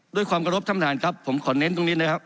ด้วยความกระรบท่านประธานครับผมขอเน้นตรงนี้นะครับ